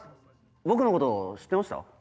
僕のこと知ってました？